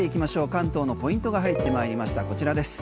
関東のポイントが入ってまいりましたこちらです。